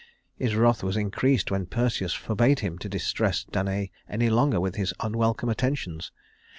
His wrath was increased when Perseus forbade him to distress Danaë any longer with his unwelcome attentions.